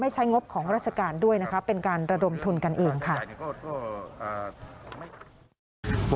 ใช้งบของราชการด้วยนะคะเป็นการระดมทุนกันเองค่ะ